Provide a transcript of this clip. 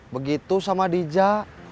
begitu sama dija